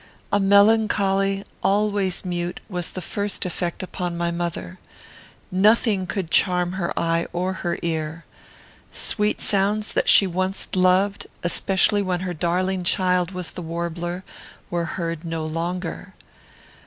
"A melancholy, always mute, was the first effect upon my mother. Nothing could charm her eye, or her ear. Sweet sounds that she once loved, and especially when her darling child was the warbler, were heard no longer.